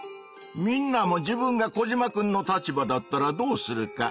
みんなも自分がコジマくんの立場だったらどうするか。